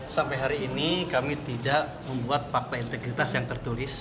sampai hari ini kami tidak membuat fakta integritas yang tertulis